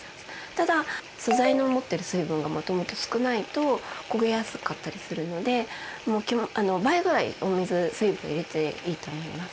ただ素材の持ってる水分がもともと少ないと焦げやすかったりするので倍ぐらい水分を入れていいと思います。